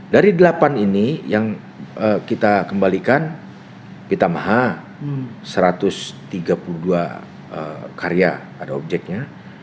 dari delapan ini yang kita kembalikan pitamaha satu ratus tiga puluh dua karya ada objeknya